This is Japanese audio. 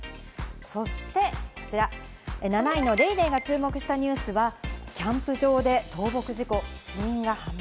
そしてこちら、７位の『ＤａｙＤａｙ．』が注目したニュースはキャンプ場で倒木事故、死因が判明。